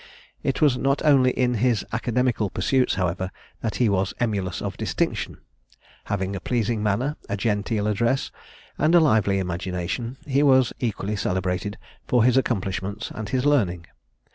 It was not only in his academical pursuits, however, that he was emulous of distinction. Having a pleasing manner, a genteel address, and a lively imagination, he was equally celebrated for his accomplishments and his learning.